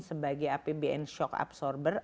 sebagai apbn shock absorber